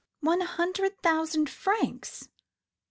One hundred thousand francs!